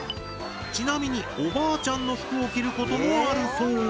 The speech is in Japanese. ちなみにおばあちゃんの服を着ることもあるそう。